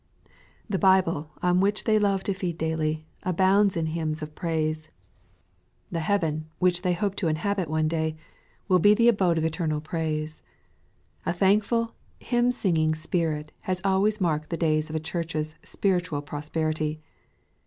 The Bible, on which they love to feed daily, abovmdA m \i.'^\ssQSw of praise. The Heaven, vrMcYi t\ic^ \i^^^ '^"^ 8 FREFACE. habit one day, will be the abode of eternal x)raise. A thankful, hymn singing spirit has always marked the days of a Church's spiritual pros perity.